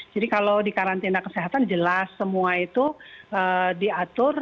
jadi kalau di karantina kesehatan jelas semua itu diatur